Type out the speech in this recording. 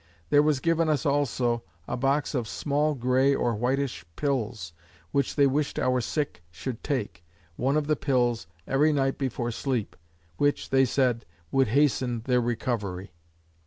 There was given us also, a box of small gray, or whitish pills, which they wished our sick should take, one of the pills, every night before sleep; which (they said) would hasten their recovery.